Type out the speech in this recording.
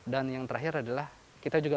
dan yang terakhir adalah kita juga